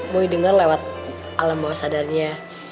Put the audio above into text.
boy denger lewat alam bawah sadarnya